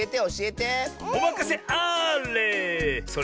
おまかせあれ！